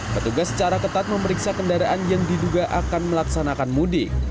petugas secara ketat memeriksa kendaraan yang diduga akan melaksanakan mudik